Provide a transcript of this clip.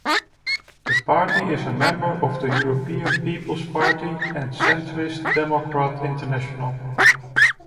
The party is a member of the European People's Party and Centrist Democrat International.